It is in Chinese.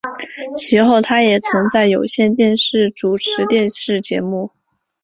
其后他也曾在有线电视主持电视节目。